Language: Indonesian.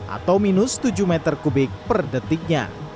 atau minus tujuh meter kubik per detiknya